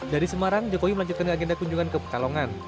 dari semarang jokowi melanjutkan agenda kunjungan ke pekalongan